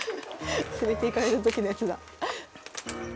連れていかれた時のやつだ。